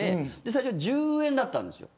最初１０円だったんです。